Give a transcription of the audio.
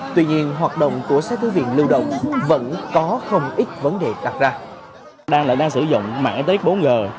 tuy nhiên hoạt động của xe thư viện lưu động